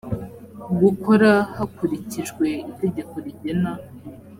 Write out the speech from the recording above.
gukora hakurikijwe itegeko rigena